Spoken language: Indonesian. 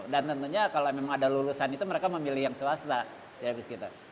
dan tentunya kalau memang ada lulusan itu mereka memilih yang swasta